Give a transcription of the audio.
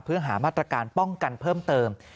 เพื่อหามาตรการป้องกันเพิ่มเติม